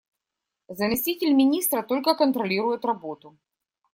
Заместитель министра только контролирует работу.